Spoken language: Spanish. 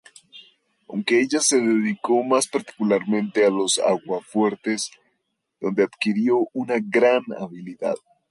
Aunque ella se dedicó más particularmente a los aguafuertes, donde adquirió una gran habilidad.